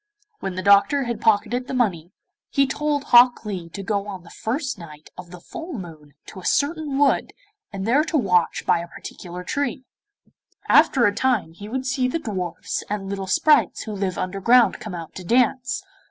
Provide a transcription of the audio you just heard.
When the Doctor had pocketed the money, he told Hok Lee to go on the first night of the full moon to a certain wood and there to watch by a particular tree. After a time he would see the dwarfs and little sprites who live underground come out to dance.